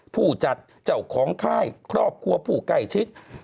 ผู้จัดเจ้าของค่ายครอบครัวผู้ใกล้ชิด